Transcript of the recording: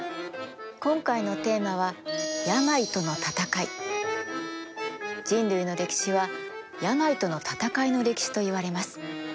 今回のテーマは人類の歴史は病との闘いの歴史といわれます。